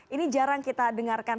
ini jarang kita dengarkan